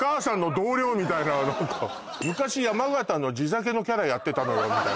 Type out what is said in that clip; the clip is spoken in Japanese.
これ「昔山形の地酒のキャラやってたのよ」みたいなね